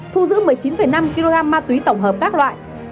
thu giữ một mươi chín năm kg ma túy tổng hợp các loại